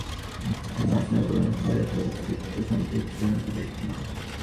এক্ষণে আত্মহত্যারূপ প্রায়শ্চিত্ত ব্যতীত চিত্তসন্তোষ জন্মিবেক না।